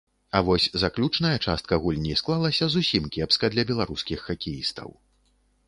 А вось заключная частка гульні склалася зусім кепска для беларускіх хакеістаў.